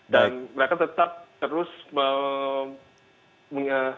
dan mereka tetap terus mengembangkan